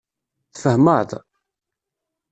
Tfehmeḍ?